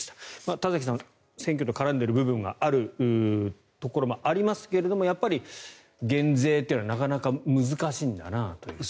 田崎さん、選挙と絡んでいる部分があるところもありますがやっぱり減税というのはなかなか難しいんだなと。